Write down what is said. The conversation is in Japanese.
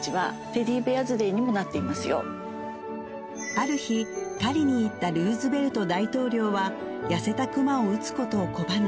ある日狩りに行ったルーズベルト大統領は痩せた熊を撃つことを拒み